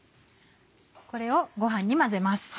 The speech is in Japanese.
これをごはんに混ぜます。